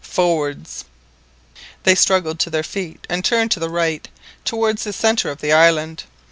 Forwards!" They struggled to their feet and turned to the right towards the centre of the island.